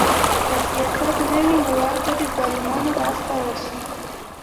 که سیاست نه وي نو واک به د ظالمانو لاس ته ورشي